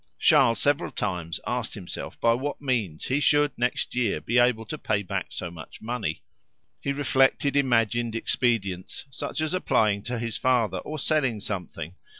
Charles several times asked himself by what means he should next year be able to pay back so much money. He reflected, imagined expedients, such as applying to his father or selling something.